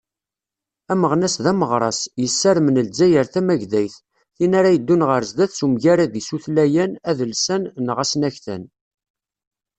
Ameɣnas d ameɣras, yessarmen Lezzayer tamagdayt, tin ara yeddun ɣer sdat s umgarad-is utlayan adelsan neɣ asnaktan.